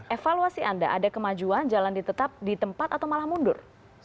evaluasi anda ada kemajuan jalan ditetap di tempat atau malah mundur